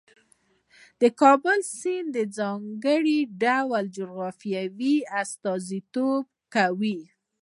د کابل سیند د ځانګړي ډول جغرافیې استازیتوب کوي.